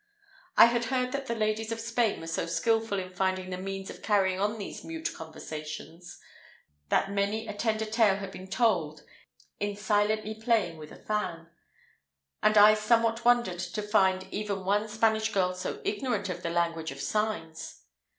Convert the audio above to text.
I had heard that the ladies of Spain were so skilful in finding the means of carrying on these mute conversations, that many a tender tale had been told in silently playing with a fan; and I somewhat wondered to find even one Spanish girl so ignorant of the language of signs.